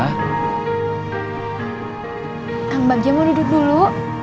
kakak bagja mau duduk dulu